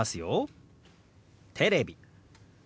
「テレビ」。